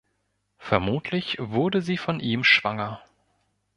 Vermutlich wurde sie von ihm schwanger.